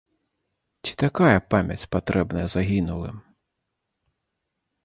Ці такая памяць патрэбная загінулым?